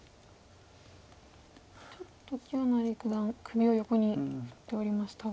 ちょっと清成九段首を横に振っておりましたが。